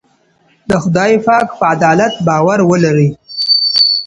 د خدای په عدالت باور ولرئ.